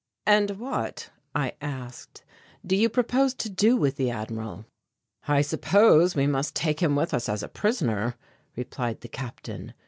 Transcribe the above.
"And what," I asked, "do you propose to do with the Admiral?" "I suppose we must take him with us as a prisoner," replied the Captain.